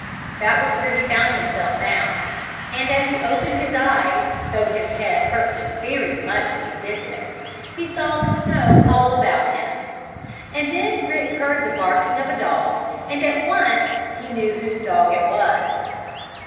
That was where he found himself now, and, as he opened his eyes, though his head hurt him very much as he did this, he saw the snow all about him. And then Rick heard the barking of a dog, and at once he knew whose dog it was.